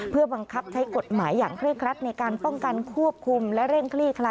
เพื่อบังคับใช้กฎหมายอย่างเคร่งครัดในการป้องกันควบคุมและเร่งคลี่คลาย